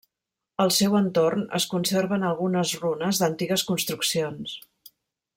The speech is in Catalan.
Al seu entorn es conserven algunes runes d'antigues construccions.